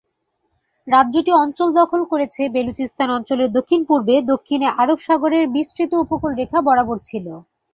রাজ্যটি অঞ্চল দখল করেছে বেলুচিস্তান অঞ্চলের দক্ষিণ-পূর্বে, দক্ষিণে আরব সাগরের বিস্তৃত উপকূলরেখা বরাবর ছিল।